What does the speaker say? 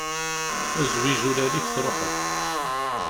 Zwi ijulal-ik truḥeḍ!